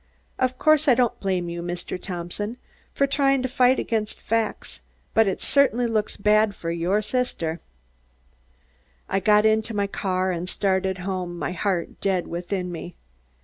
Of course, I don't blame you, Mr. Thompson, for tryin' to fight against facts, but it certainly looks bad for sister." I got into my car and started home, my heart dead within me.